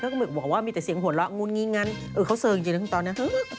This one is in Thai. แล้วก็บอกว่ามีแต่เสียงหัวเราะงุ้นงิ้งงั้นเออเขาเซอร์จริงนะคุณตอนนี้